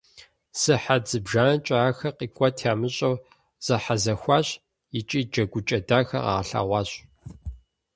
Сыхьэт зыбжанэкӏэ ахэр къикӏуэт ямыщӏэу зэхьэзэхуащ икӏи джэгукӏэ дахэ къагъэлъэгъуащ.